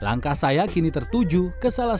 langkah saya kini tertuju ke salaman